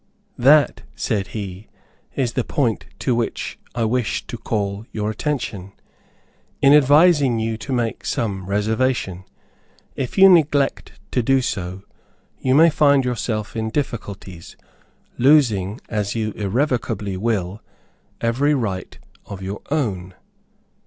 "That," said he, "is the point to which I wish to call your attention, in advising you to make some reservation. If you neglect to do so, you may find yourself in difficulties, losing, as you irrevocably will, every right of your own."